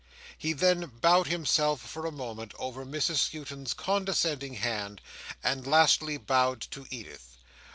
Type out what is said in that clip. He then bowed himself for a moment over Mrs Skewton's condescending hand, and lastly bowed to Edith.